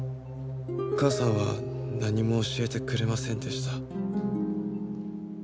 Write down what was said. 母さんは何も教えてくれませんでした。